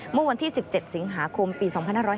เมื่อวันที่๑๗สิงหาคมปี๒๕๕๙